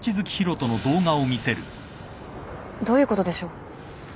どういうことでしょう。